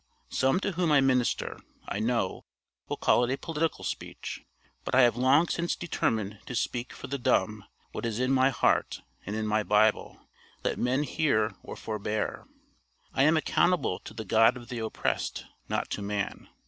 Some to whom I minister, I know, will call it a political speech; but I have long since determined to speak for the dumb what is in my heart and in my Bible, let men hear or forbear. I am accountable to the God of the oppressed, not to man.